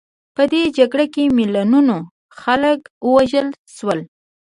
په دې جګړه کې میلیونونو خلک ووژل شول.